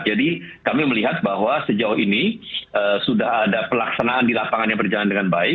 jadi kami melihat bahwa sejauh ini sudah ada pelaksanaan di lapangan yang berjalan dengan baik